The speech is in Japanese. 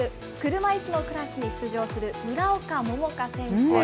車いすのクラスに出場する村岡桃佳選手。